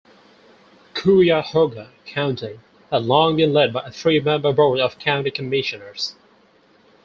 Cuyahoga County had long been led by a three-member Board of County Commissioners.